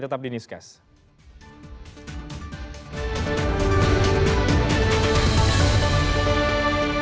kita akan segera kembali setelah kembali